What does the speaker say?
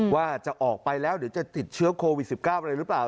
ว่าจะออกไปแล้วเดี๋ยวจะติดเชื้อโควิด๑๙อะไรหรือเปล่า